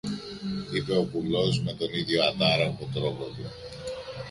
είπε ο κουλός με τον ίδιο ατάραχο τρόπο του